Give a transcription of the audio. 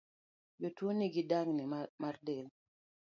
Jatuo nigi dangni mar del